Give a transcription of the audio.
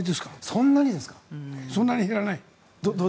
そんなに減らない？